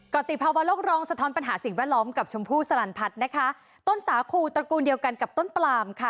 ติภาวะโลกร้องสะท้อนปัญหาสิ่งแวดล้อมกับชมพู่สลันพัฒน์นะคะต้นสาคูตระกูลเดียวกันกับต้นปลามค่ะ